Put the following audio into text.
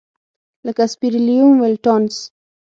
لکه سپیریلوم ولټانس.